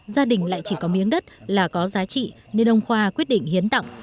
gia đình lại chỉ có miếng đất là có giá trị nên ông khoa quyết định hiến tặng